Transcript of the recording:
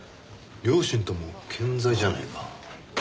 両親とも健在じゃないか。